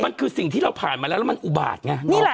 มันคือสิ่งที่เราผ่านมาแล้วมันอุบาตนี่มั้ย